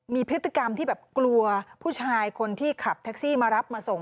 มีพฤติกรรมที่แบบกลัวผู้ชายคนที่ขับแท็กซี่มารับมาส่ง